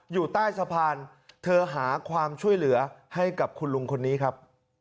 อยู่ใต้สะพานเธอหาความช่วยเหลือให้กับคุณลุงคนนี้ครับ